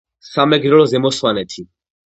სამეგრელო ზემო სვანეტი